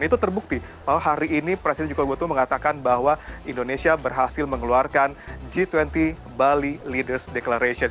itu terbukti bahwa hari ini presiden joko widodo mengatakan bahwa indonesia berhasil mengeluarkan g dua puluh bali leaders declaration